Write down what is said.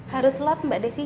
harus lot mbak desi